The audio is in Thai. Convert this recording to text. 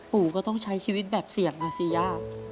ปู่ก็ต้องใช้ชีวิตแบบเสี่ยงอ่ะสิย่า